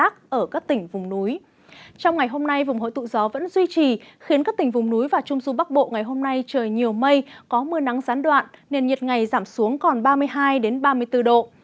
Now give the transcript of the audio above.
trong ngày hôm nay vùng hội tụ gió vẫn duy trì khiến các tỉnh vùng núi và trung du bắc bộ ngày hôm nay trời nhiều mây có mưa nắng gián đoạn nên nhiệt ngày giảm xuống còn ba mươi hai ba mươi bốn độ